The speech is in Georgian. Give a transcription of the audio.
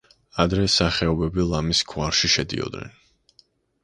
ადრე ეს სახეობები ლამის გვარში შედიოდნენ.